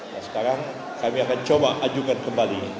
nah sekarang kami akan coba ajukan kembali ke mk